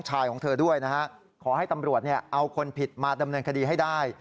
ของเธอด้วยนะฮะขอให้ตำรวจเอาคนผิดมาดำเนินคดีให้ได้